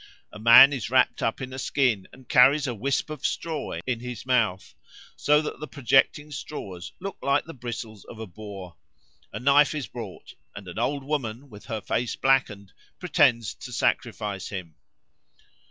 A man is wrapt up in a skin, and carries a wisp of straw in his mouth, so that the projecting straws look like the bristles of a boar. A knife is brought, and an old woman, with her face blackened, pretends to sacrifice him.